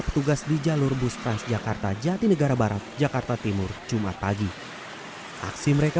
petugas di jalur bus transjakarta jatinegara barat jakarta timur jumat pagi aksi mereka